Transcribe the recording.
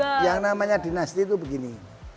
oh enggak bisa yang namanya dinasti itu begini